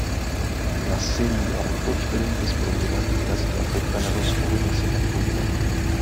La serie abordó diferentes problemáticas que afectan a los jóvenes en la actualidad.